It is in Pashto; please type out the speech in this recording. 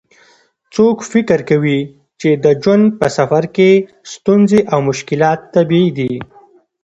څوک فکر کوي چې د ژوند په سفر کې ستونزې او مشکلات طبیعي دي